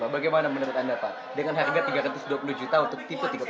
bagaimana menurut anda pak dengan harga rp tiga ratus dua puluh juta untuk tipe tiga puluh